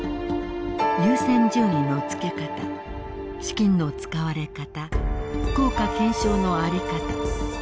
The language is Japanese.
優先順位のつけ方資金の使われ方効果検証のあり方。